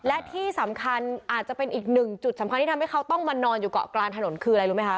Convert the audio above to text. และที่สำคัญอาจจะเป็นอีกหนึ่งจุดสำคัญที่ทำให้เขาต้องมานอนอยู่เกาะกลางถนนคืออะไรรู้ไหมคะ